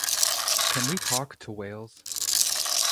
Can we talk to whales?